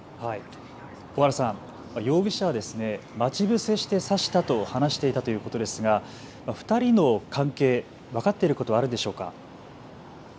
尾原さん、容疑者、待ち伏せして刺したと話していたということですが２人のを関係、分かっていることあるんでしょうか。